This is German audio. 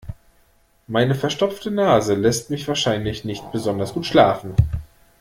Meine verstopfte Nase lässt mich wahrscheinlich nicht besonders gut schlafen.